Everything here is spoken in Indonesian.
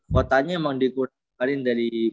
kotanya emang dikurangkan dari